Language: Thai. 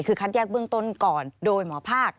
คือคัดแยกเบื้องต้นก่อนโดยหมอภาค